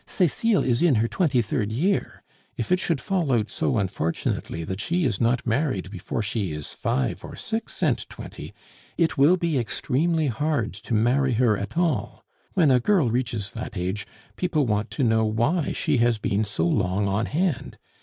"Cecile is in her twenty third year. If it should fall out so unfortunately that she is not married before she is five or six and twenty, it will be extremely hard to marry her at all. When a girl reaches that age, people want to know why she has been so long on hand.